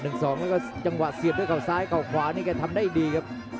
แล้วก็จังหวะเสียบด้วยเขาซ้ายเข้าขวานี่แกทำได้ดีครับ